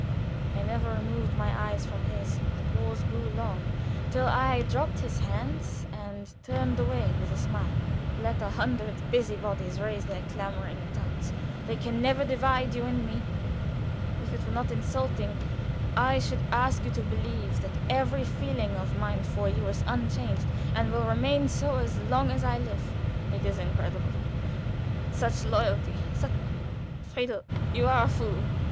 I never removed my eyes from his; the pause grew long, till I dropped his hands and turned away with a smile. "Let a hundred busybodies raise their clamoring tongues, they can never divide you and me. If it were not insulting I should ask you to believe that every feeling of mine for you is unchanged, and will remain so as long as I live." "It is incredible. Such loyalty, such Friedel, you are a fool!"